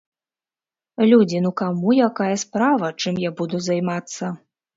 Людзі, ну каму якая справа, чым я буду займацца?